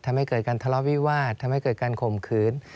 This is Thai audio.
ทำให้เกิดการทะเลาะวิวาสทำให้เกิดการข่มขืน